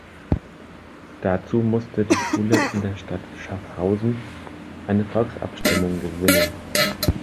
Dazu musste die Schule in der Stadt Schaffhausen eine Volksabstimmung gewinnen.